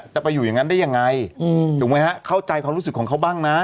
ไปอยู่อย่างนั้นได้ยังไงถูกไหมฮะเข้าใจความรู้สึกของเขาบ้างนะ